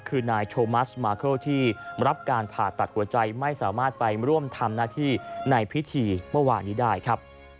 คือนายโชมัสมาเคิลที่รับการผ่าตัดหัวใจไม่สามารถไปร่วมทำหน้าที่ในพิธีเมื่อวานนี้ได้ครับ